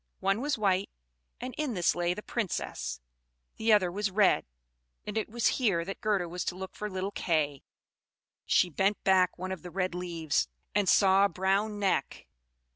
One was white, and in this lay the Princess; the other was red, and it was here that Gerda was to look for little Kay. She bent back one of the red leaves, and saw a brown neck.